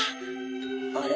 あれ？